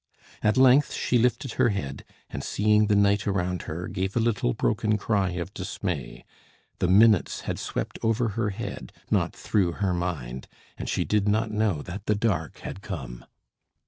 At length she lifted her head, and seeing the night around her, gave a little broken cry of dismay. The minutes had swept over her head, not through her mind, and she did not know that the dark had come.